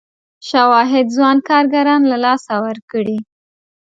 شواهد ځوان کارګران له لاسه ورکړي.